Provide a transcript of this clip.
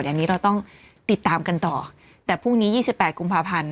อันนี้เราต้องติดตามกันต่อแต่พรุ่งนี้๒๘กุมภาพันธ์